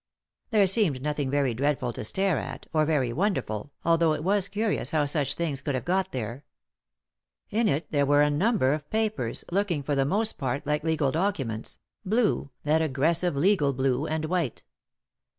There seemed nothing very dreadful to stare at, or very wonderful, although it was curious how such things could have got there. In it there were a number of papers, looking for the most part like legal documents— blue, that aggressive legal blue, and white.